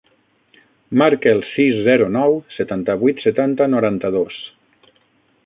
Marca el sis, zero, nou, setanta-vuit, setanta, noranta-dos.